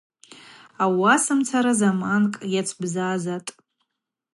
Ауасамцара заманкӏ йацбзазатӏ.